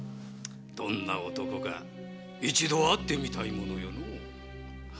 どんな男か一度会ってみたいものよのう。